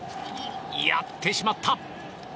やってしまった！